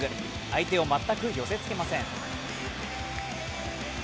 相手を全く寄せつけません。